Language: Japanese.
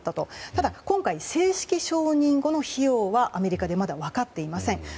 ただ、今回正式承認後の費用はアメリカでまだ分かっていません。